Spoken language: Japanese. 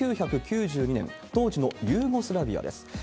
１９９２年、当時のユーゴスラビアです。